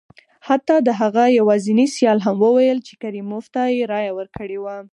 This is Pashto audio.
حتی د هغه یوازیني سیال هم وویل چې کریموف ته یې رایه ورکړې وه.